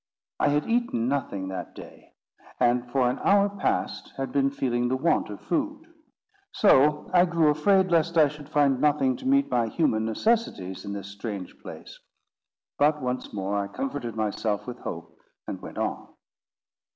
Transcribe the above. I had eaten nothing that day, and for an hour past had been feeling the want of food. So I grew afraid lest I should find nothing to meet my human necessities in this strange place; but once more I comforted myself with hope and went on.